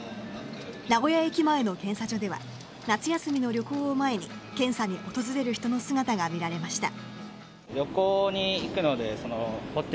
名古屋駅前の検査所では夏休みの旅行を前に検査に訪れる人の姿が見られました。